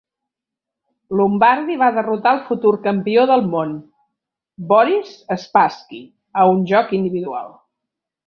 Lombardy va derrotar el futur campió del món, Boris Spassky, a un joc individual.